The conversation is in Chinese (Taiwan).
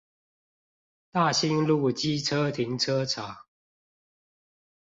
大新路機車停車場